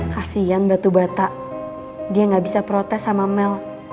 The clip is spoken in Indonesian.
kasian batu bata dia gabisa protes sama mel